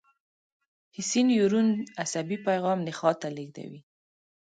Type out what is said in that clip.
حسي نیورون عصبي پیغام نخاع ته لېږدوي.